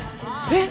え？